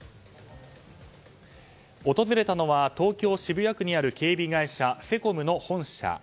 訪れたのは東京・渋谷区にある警備会社セコムの本社。